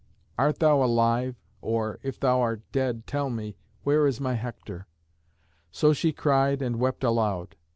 Art thou alive? or, if thou art dead, tell me, where is my Hector?" So she cried and wept aloud.